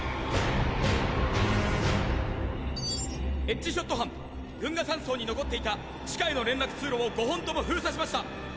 エッジショット班群訝山荘に残っていた地下への連絡通路を５本とも封鎖しました。